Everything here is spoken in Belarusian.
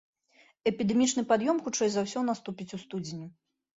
Эпідэмічны пад'ём хутчэй за ўсё наступіць у студзені.